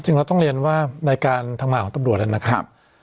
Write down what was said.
จริงแล้วต้องเรียนว่าในการทั้งหาของตำรวจแล้วนะคะ